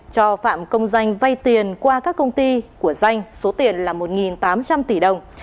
cho phạm công danh vay tiền qua các công ty của danh số tiền là một tám trăm linh tỷ đồng